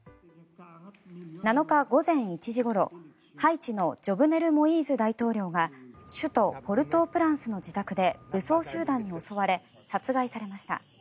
７日午前１時ごろ、ハイチのジョブネル・モイーズ大統領が首都ポルトープランスの自宅で武装集団に襲われ殺害されました。